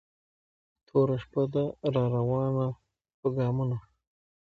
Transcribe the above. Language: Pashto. توره شپه ده را روانه په ګامونو